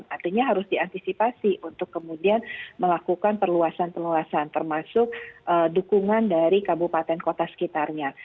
artinya harus diantisipasi untuk kemudian melakukan perluasan perluasan termasuk dukungan dari kabupaten kota sekitarnya